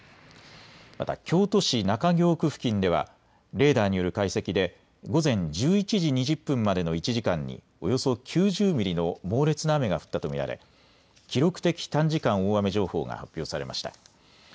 また京都市中京区付近ではレーダーによる解析で午前１１時２０分までの１時間におよそ９０ミリの猛烈な雨が降ったと見られ記録的短時間大雨情報が発表されました。